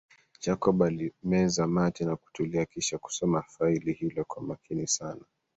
Jacob alimeza mate na kutulia kisha kusoma faili hilo kwa makini sana